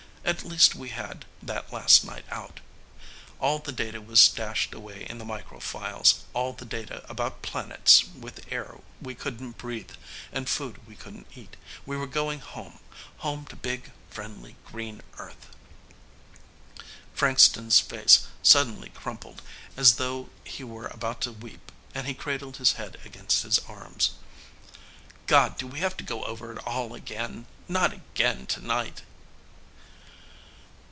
At least we had that last night out. All the data was stashed away in the microfiles, all the data about planets with air we couldn't breathe and food we couldn't eat. We were going home, home to big, friendly, green Earth." Frankston's face suddenly crumpled as though he were about to weep and he cradled his head against his arms. "God, do we have to go over it all again? Not again tonight!"